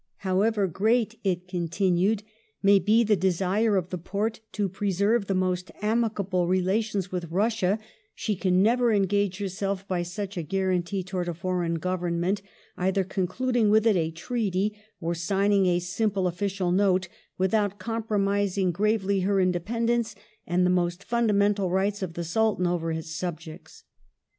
" However great," it continued, " may be the desire of the Porte to preserve the most amicable relations with Russia, she can never engage herself by such a guarantee towards a foreign Government, either con cluding with it a treaty or signing a simple official Note, without compromising gravely her independence and the most fundamental rights of the Sultan over his own subjects."